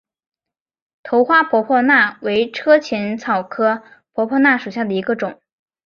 头花婆婆纳为车前草科婆婆纳属下的一个种。